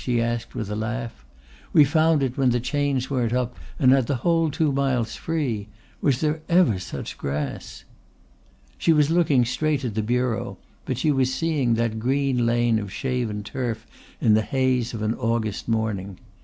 she asked with a laugh. "We found it when the chains weren't up and had the whole two miles free. Was there ever such grass?" She was looking straight at the bureau, but she was seeing that green lane of shaven turf in the haze of an August morning.